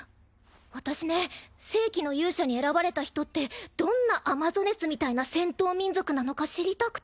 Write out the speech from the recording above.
私ね正規の勇者に選ばれた人ってどんなアマゾネスみたいな戦闘民族なのか知りたくて。